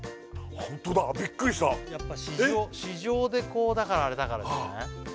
ホントだビックリしたやっぱ市場でこうだからあれだからじゃない？